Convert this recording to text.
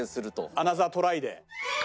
アナザートライで。